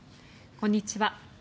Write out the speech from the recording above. こんにちは。